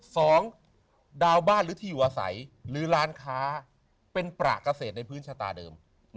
สองดาวบ้านหรือที่อยู่อาศัยหรือร้านค้าเป็นประเกษตรในพื้นชะตาเดิม